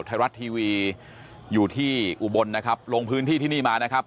ไทยรัฐทีวีอยู่ที่อุบลนะครับลงพื้นที่ที่นี่มานะครับ